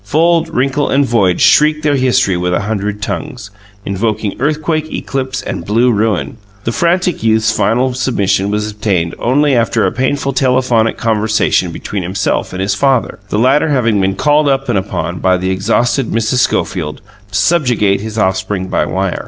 Fold, wrinkle, and void shrieked their history with a hundred tongues, invoking earthquake, eclipse, and blue ruin. The frantic youth's final submission was obtained only after a painful telephonic conversation between himself and his father, the latter having been called up and upon, by the exhausted Mrs. Schofield, to subjugate his offspring by wire.